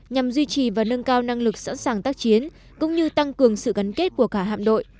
nhằm duy trì và nâng cao năng lực sẵn sàng tác chiến cũng như tăng cường sự gắn kết của cả hạm đội